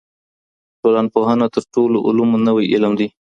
ټولنپوهنه تر ټولو علومو نوی علم دی.